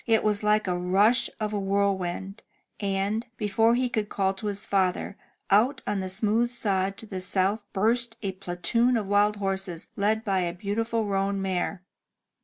It was like the rush of a whirlwind, and, be fore he could call to his father, out on the smooth sod to the south burst a platoon of wild horses led by a beautiful roan mare.